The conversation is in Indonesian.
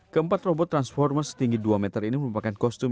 keempat robot transformer setinggi dua meter ini merupakan kostum